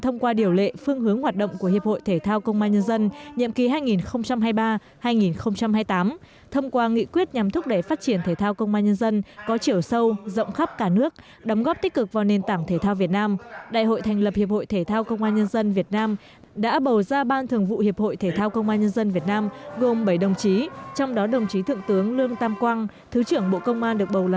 mục đích hoạt động của hiệp hội thể thao công an nhân dân nhằm phát triển phong trào tập luyện thi đấu các môn thể thao trong công an nhân dân